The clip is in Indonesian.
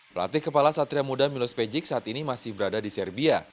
pelatih kepala satria muda milos pejik saat ini masih berada di serbia